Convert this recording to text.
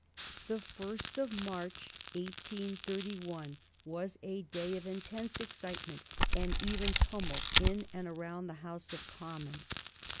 The 1st of March, 1831, was a day of intense excitement and even tumult in and around the House of Commons.